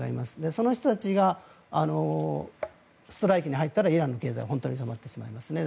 その人たちがストライキに入ったらイランの経済が本当に止まってしまいますね。